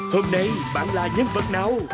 hôm nay bạn là nhân vật nào